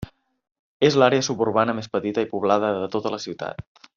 És l'àrea suburbana més petita i poblada de tota la ciutat.